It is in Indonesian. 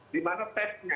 di mana stresnya